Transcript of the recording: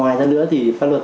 ngoài ra nữa thì pháp luật